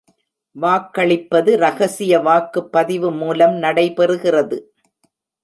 வாக்களிப்பது ரகசிய வாக்குபதிவு மூலம் நடைபெறுகிறது.